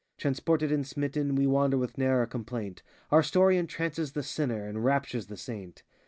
Transported and smitten, we wander with ne'er a complaint; Our story entrances the sinner, enraptures the saint.